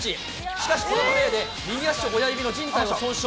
しかしこのプレーで右足親指のじん帯を損傷。